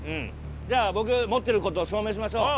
じゃあ僕持ってる事を証明しましょう！